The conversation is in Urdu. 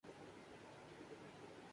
اگر پہلے طرز کی سیاست کرنی ہے۔